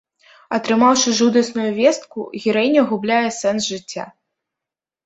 Атрымаўшы жудасную вестку, гераіня губляе сэнс жыцця.